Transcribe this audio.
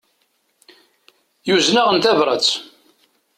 Yuzen-aɣ-n tabrat.